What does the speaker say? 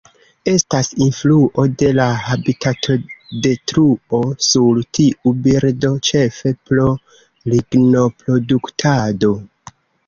Estas influo de la habitatodetruo sur tiu birdo, ĉefe pro lignoproduktado.